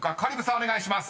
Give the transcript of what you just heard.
お願いします］